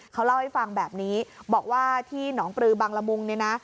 เขาเล่าให้ฟังแบบนี้บอกว่าที่หนองปลือบังละมุงเนี่ยนะ